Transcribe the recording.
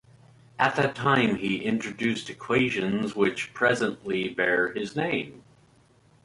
At that time he introduced equations which presently bear his name.